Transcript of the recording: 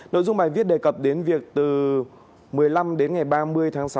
nội dung bài viết đề cập đến việc từ một mươi năm đến ngày ba mươi tháng sáu